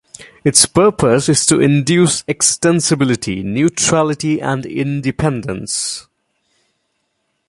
Its purpose is to induce extensibility, neutrality and independence.